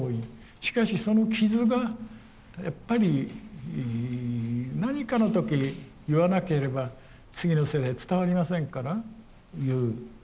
しかしその傷がやっぱり何かの時言わなければ次の世代伝わりませんから言う。